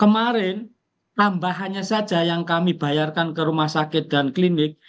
kemarin tambahannya saja yang kami bayarkan ke rumah sakit dan klinik